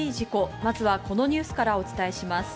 まずはこのニュースからお伝えします。